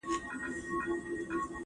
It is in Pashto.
کېدای سي قلمان خراب وي